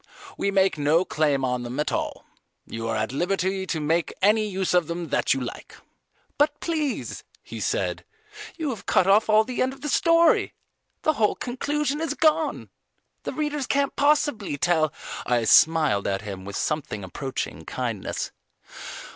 We make no claim on them at all. You are at liberty to make any use of them that you like." "But please," he said, "you have cut off all the end of the story: the whole conclusion is gone. The readers can't possibly tell, " I smiled at him with something approaching kindness.